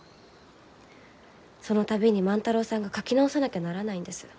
その度に万太郎さんが描き直さなきゃならないんです。